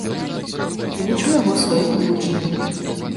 Я яго лічу сваім вучнем.